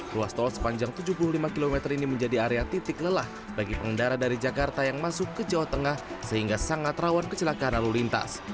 ruas tol sepanjang tujuh puluh lima km ini menjadi area titik lelah bagi pengendara dari jakarta yang masuk ke jawa tengah sehingga sangat rawan kecelakaan lalu lintas